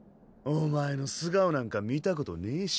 お前の素顔なんか見たことねぇし。